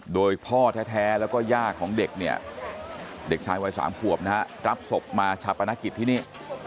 โดยพ่อแท้แล้วก็ย่าของเด็กเนี่ยเด็กชายวัย๓ขวบนะฮะรับศพมาชาปนกิจที่นี่